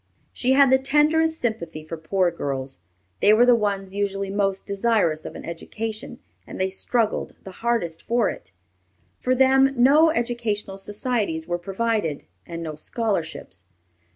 She had the tenderest sympathy for poor girls; they were the ones usually most desirous of an education, and they struggled the hardest for it. For them no educational societies were provided, and no scholarships.